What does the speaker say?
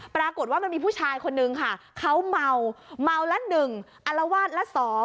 ปรากฏว่ามันมีผู้ชายคนนึงค่ะเขาเมาเมาละหนึ่งอารวาสละสอง